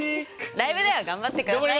ライブでは頑張ってくださいよ。